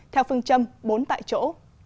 theo phương châm bốn tại chỗ